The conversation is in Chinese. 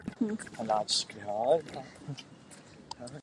心叶黄花报春为报春花科报春花属下的一个种。